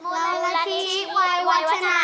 มุรณิทีวัยวัชนานิวาสค่ะ